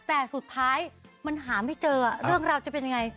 แต่สุดท้ายมันหาไม่เจอเรื่องราวจะเป็นยังไง